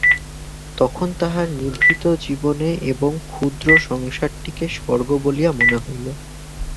তখন তাহার নিভৃত জীবন এবং ক্ষুদ্র সংসারটিকেই স্বর্গ বলিয়া মনে হইল।